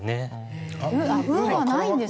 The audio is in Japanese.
運はないんですか？